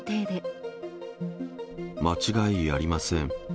間違いありません。